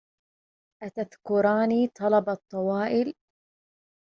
أتذكراني طلب الطوائل